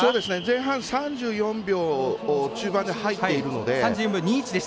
前半３４秒中盤で入っているので。